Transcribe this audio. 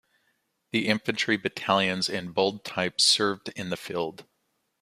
The infantry battalions in bold type served in the field.